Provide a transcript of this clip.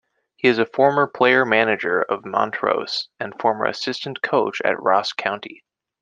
He is a former player-manager of Montrose and former assistant coach at Ross County.